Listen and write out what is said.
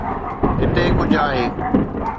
هتي ڪجهه آهي.